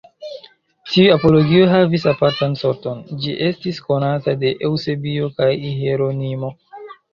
Tiu apologio havis apartan sorton, Ĝi estis konata de Eŭsebio kaj Hieronimo.